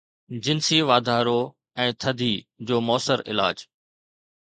جنسي واڌارو ۽ ٿڌي جو مؤثر علاج